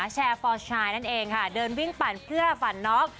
แชร์ฟอร์ชายนั่นเองค่ะเดินวิ่งปั่นเพื่อฝันน้อง